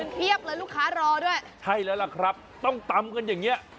เพียบเลยลูกค้ารอด้วยใช่แล้วล่ะครับต้องตำกันอย่างเงี้ย